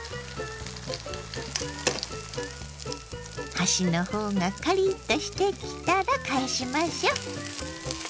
端の方がカリッとしてきたら返しましょ。